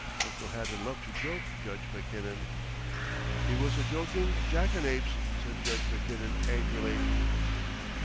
Uncle Haddon loved to joke, Judge Mackinnon." "He was a joking jackanapes!" said Judge Mackinnon angrily.